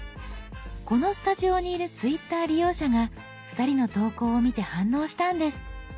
このスタジオにいるＴｗｉｔｔｅｒ利用者が２人の投稿を見て反応したんです。